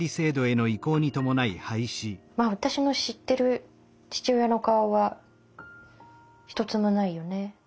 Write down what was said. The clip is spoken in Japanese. まあ私の知ってる父親の顔は一つもないよね。